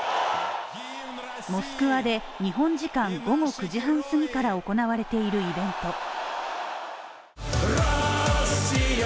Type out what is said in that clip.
モスクワで日本時間午後９時半すぎから行われているイベント。